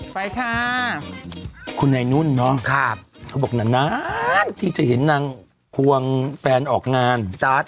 ไปค่าคุณไอนุ่นนอนครับก็บอกแน่นานที่จะเห็นนางง่วงแฟนออกงาน